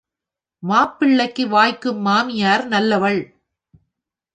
மாப்பிள்ளைக்கு வாய்க்கும் மாமியார் நல்லவள்!